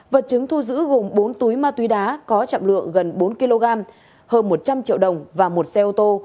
vật chứng thu giữ gồm bốn túi ma túy đá có trọng lượng gần bốn kg hơn một trăm linh triệu đồng và một xe ô tô